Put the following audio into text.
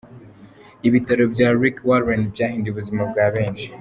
Ibitabyo bya Rick Warren byahinduye ubuzima bwa benshi.